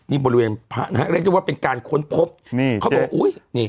นี่บริเวณพระนะฮะเรียกได้ว่าเป็นการค้นพบนี่เขาบอกว่าอุ้ยนี่